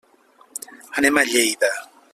Anem a Lleida.